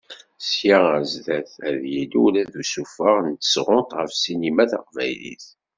Sya ar sdat, ad d-yili ula usuffeɣ n tesɣunt ɣef ssinima taqbaylit.